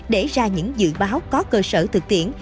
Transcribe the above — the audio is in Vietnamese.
để ra những dự báo có cơ sở thực tiễn